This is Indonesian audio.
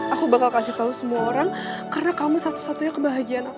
aku bakal kasih tahu semua orang karena kamu satu satunya kebahagiaan aku